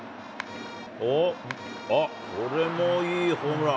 あっ、これもいいホームラン。